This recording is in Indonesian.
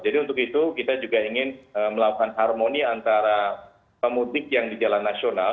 jadi untuk itu kita juga ingin melakukan harmoni antara pemudik yang di jalan tol